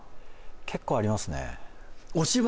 結構ありますね